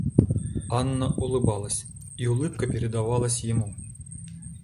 Анна улыбалась, и улыбка передавалась ему.